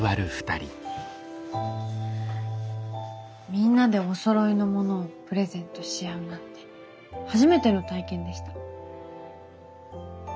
みんなでおそろいのものをプレゼントし合うなんて初めての体験でした。